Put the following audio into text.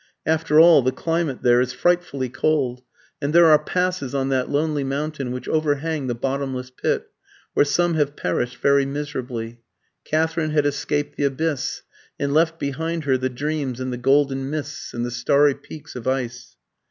After all, the climate there is frightfully cold, and there are passes on that lonely mountain which overhang the bottomless pit, where some have perished very miserably. Katherine had escaped the abyss, and left behind her the dreams and the golden mists and the starry peaks of ice.